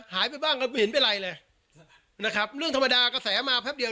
หายไปบ้างก็ไม่เห็นเป็นไรเลยนะครับเรื่องธรรมดากระแสมาแป๊บเดียว